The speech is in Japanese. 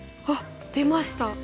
あっ出ました！